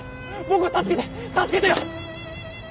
僕を助けて助けてよ！